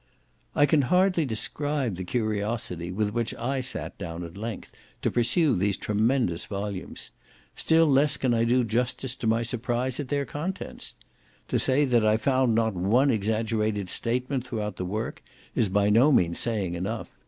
I can hardly describe the curiosity with which I sat down at length to pursue these tremendous volumes; still less can I do justice to my surprise at their contents. To say that I found not one exaggerated statement throughout the work, is by no means saying enough.